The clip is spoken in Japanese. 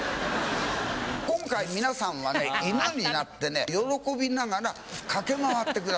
今回皆さんは犬になって喜びながら駆け回ってください。